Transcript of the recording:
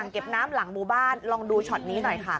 คนธ่านลองดูเฉิดนี้หน่อยค่ะ